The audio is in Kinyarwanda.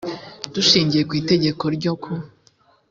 dushingiye ku itegeko n ryo ku